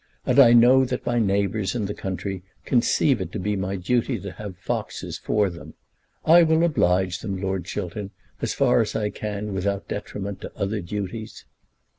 And I know that my neighbours in the country conceive it to be my duty to have foxes for them. I will oblige them, Lord Chiltern, as far as I can without detriment to other duties."